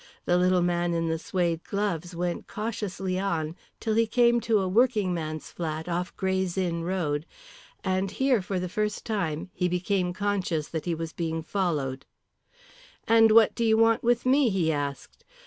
The little man in the suede gloves went cautiously on till he came to a working man's flat off Gray's Inn Road, and here for the first time he became conscious that he was being followed. "And what do you want with me?" he asked.